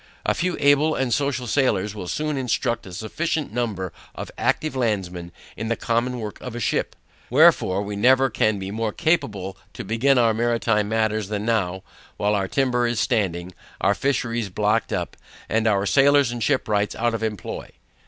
A few able and social sailors will soon instruct a sufficient number of active landmen in the common work of a ship. Wherefore, we never can be more capable to begin on maritime matters than now, while our timber is standing, our fisheries blocked up, and our sailors and shipwrights out of employ.